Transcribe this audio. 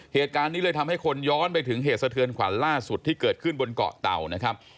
เหตุการณ์นี้เลยทำให้คนย้อนไปถึงเหตุสะเทือนขวัญล่าสุดที่เกิดขึ้นบนเกาะเต่านะครับ